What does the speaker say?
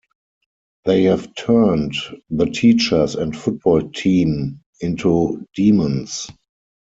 They have turned the teachers and football team into demons.